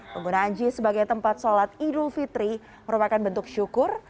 penggunaan jis sebagai tempat sholat idul fitri merupakan bentuk syukur